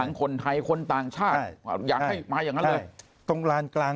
ทั้งคนไทยคนต่างชาติอยากให้มาอย่างนั้นเลย